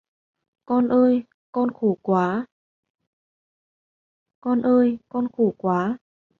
Con ơi con khổ quá